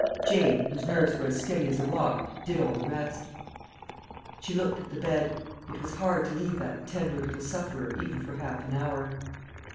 Jane, whose nerves were as steady as a rock, did all the rest. She looked at the bed. It was hard to leave that tender little sufferer even for half an hour.